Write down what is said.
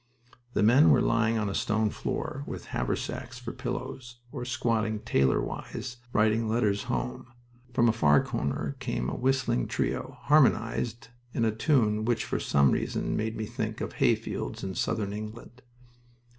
The men were lying on a stone floor with haversacks for pillows, or squatting tailor wise, writing letters home. From a far corner came a whistling trio, harmonized in a tune which for some reason made me think of hayfields in southern England.